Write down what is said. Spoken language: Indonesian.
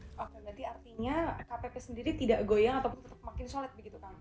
oke berarti artinya kpp sendiri tidak goyang ataupun tetap makin solid begitu kang